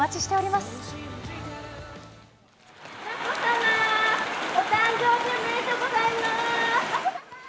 まこさま、お誕生日おめでとうございます。